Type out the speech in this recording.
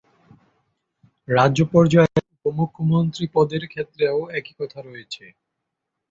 রাজ্য পর্যায়ে উপ-মুখ্যমন্ত্রী পদের ক্ষেত্রেও একই কথা রয়েছে।